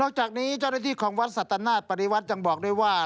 จากนี้เจ้าหน้าที่ของวัดสัตนาศปริวัติยังบอกด้วยว่า